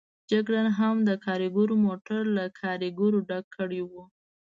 جګړن هم د کاریګرو موټر له کاریګرو ډک کړی و.